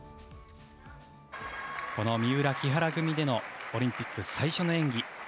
この三浦・木原組でのオリンピック最初の演技。